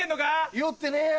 ひよってねえよ。